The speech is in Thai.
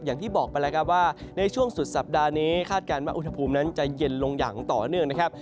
อย่างที่บอกไปแล้วครับว่าในช่วงสุดสัปดาห์นี้คาดการณ์ว่าอุณหภูมินั้นจะเย็นลงอย่างต่อเนื่องนะครับ